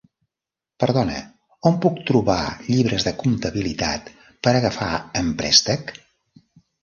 Perdona, on puc trobar llibres de comptabilitat per agafar en préstec?